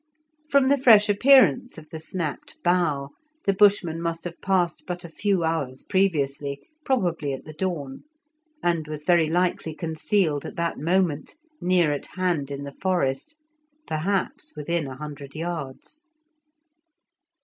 From the fresh appearance of the snapped bough, the Bushman must have passed but a few hours previously, probably at the dawn, and was very likely concealed at that moment near at hand in the forest, perhaps within a hundred yards.